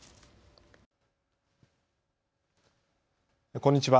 こんにちは。